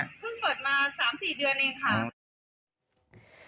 เพิ่งเปิดมา๓๔เดือนเองค่ะ